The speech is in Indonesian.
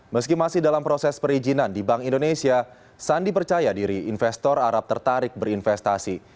meski masih dalam proses perizinan di bank indonesia sandi percaya diri investor arab tertarik berinvestasi